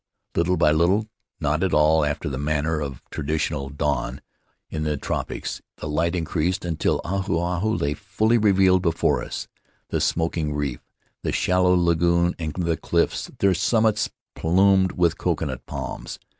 Little by little, not at all after the manner of tradi tional dawn in the tropics, the light increased, until Ahu Ahu lay fully revealed before us — the smoking reef, the shallow lagoon, and the cliffs, their summits plumed with coconut palms.